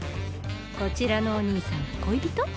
こちらのお兄さんは恋人？